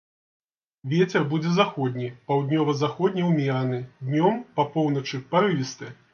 Вецер будзе заходні, паўднёва-заходні ўмераны, днём па поўначы парывісты.